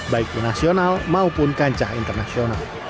baik di nasional maupun kancah internasional